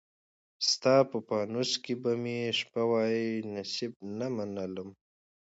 ستا په پانوس کي به مي شپه وای، نصیب نه منلم